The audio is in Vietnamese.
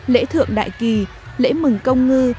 lễ thượng đại kỳ lễ mừng công ngư